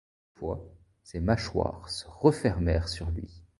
Deux fois, ses mâchoires se refermèrent sur lui.